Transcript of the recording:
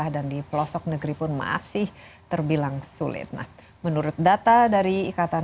hasilkan kita istirahat sebentar ya pak